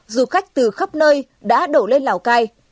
du khách từ khắp nơi đã đổ lên lào cai